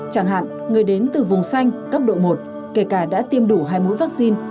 chẳng hạn người đến từ vùng xanh cấp độ một kể cả đã tiêm đủ hai mũi vaccine